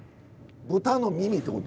豚の耳ってこと？